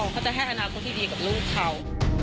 เขาจะให้อนาคตที่ดีกับลูกเขา